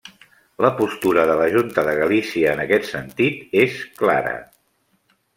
La postura de la Junta de Galícia en aquest sentit és clara.